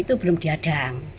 itu belum diadang